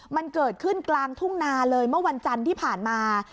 มันเกิดขึ้นกลางทุ่งนาเลยเมื่อวันจันทร์ที่ผ่านมา